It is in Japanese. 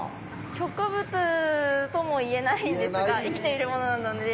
植物とも言えないんですが生きているものなので。